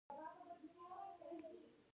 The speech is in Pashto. موږ باید سرلوړي اوسو.